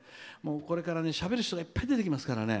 これから、しゃべる人がいっぱい出てきますからね。